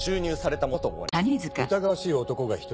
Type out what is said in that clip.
疑わしい男が一人。